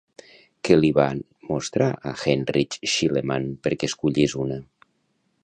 Què li van mostrar a Heinrich Schliemann perquè escollís una?